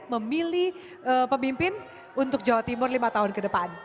memilih pemimpin untuk jawa timur lima tahun ke depan